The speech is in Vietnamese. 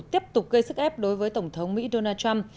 tiếp tục gây sức ép đối với tổng thống mỹ donald trump